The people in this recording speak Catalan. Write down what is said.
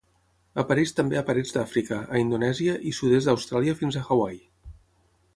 Apareix també a parets d'Àfrica, a Indonèsia i sud-est d'Austràlia fins a Hawaii.